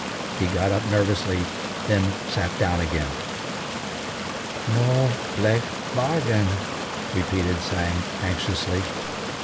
He got up nervously, then sat down again. "No blake bargain!" repeated Tsang anxiously.